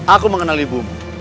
aku mengenal ibumu